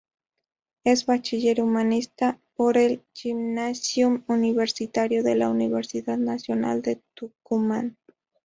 Es bachiller humanista por el Gymnasium Universitario de la Universidad Nacional de Tucumán.